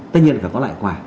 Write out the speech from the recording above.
tất nhiên phải có lại quả